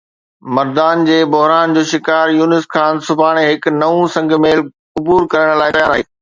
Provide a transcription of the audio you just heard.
مردان جي بحران جو شڪار يونس خان سڀاڻي هڪ نئون سنگ ميل عبور ڪرڻ لاءِ تيار آهي